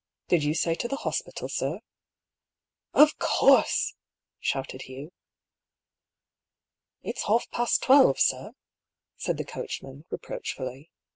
Did you say to the hospital, sir ?"" Of course !" shouted Hugh. "It's half past twelve, sir," said the coachman, re proachfully.